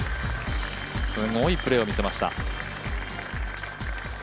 すごいプレーを見せました。